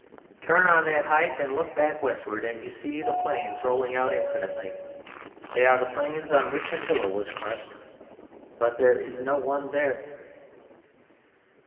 Turn on that height and look back westward and you see the plains rolling out infinitely; they are the plains upon which Attila was crushed; but there is no one there.